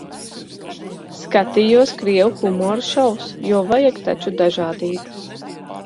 Skatījos krievu humora šovus, jo vajag taču dažādību.